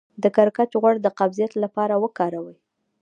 د کرچک غوړي د قبضیت لپاره وکاروئ